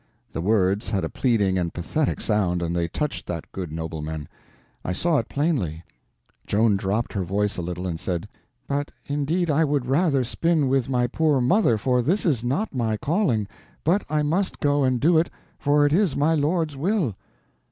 The words had a pleading and pathetic sound, and they touched that good nobleman. I saw it plainly. Joan dropped her voice a little, and said: "But indeed I would rather spin with my poor mother, for this is not my calling; but I must go and do it, for it is my Lord's will."